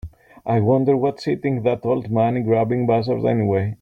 I wonder what's eating that old money grubbing buzzard anyway?